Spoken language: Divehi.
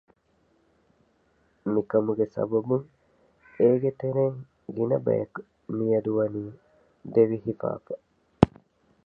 މިކަމުގެ ސަބަބުން އޭގެ ތެރެއިން ގިނަބަޔަކު މިއަދު ވަނީ ދެވި ހިފައިފަ